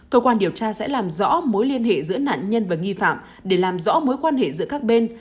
cơ quan điều tra sẽ làm rõ mối liên hệ giữa nạn nhân và nghi phạm để làm rõ mối quan hệ giữa các bên